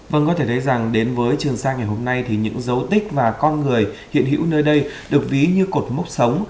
vâng có thể thấy rằng đến với trường sa ngày hôm nay thì những dấu tích và con người hiện hữu nơi đây được ví như cột mốc sống